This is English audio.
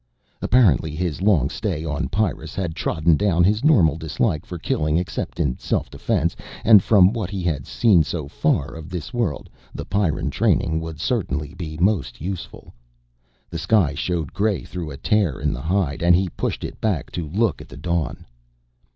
Apparently his long stay on Pyrrus had trodden down his normal dislike for killing except in self defense and from what he had seen so far of this world the Pyrran training would certainly be most useful. The sky showed gray through a tear in the hide and he pushed it back to look at the dawn.